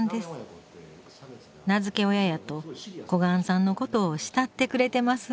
名付け親やと小雁さんのことを慕ってくれてます